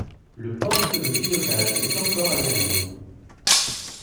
Le poste de pilotage est encore à l’air libre.